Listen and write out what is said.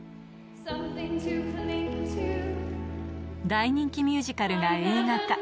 大人気ミュージカルが映画化